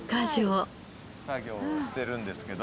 作業をしてるんですけど。